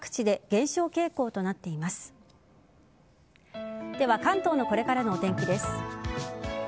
では関東のこれからのお天気です。